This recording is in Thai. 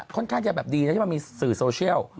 ค่อนข้างจะแบบดีนะที่มันมีสื่อโซเชียล